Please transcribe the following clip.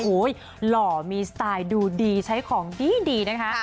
โอ้โหหล่อมีสไตล์ดูดีใช้ของดีนะคะ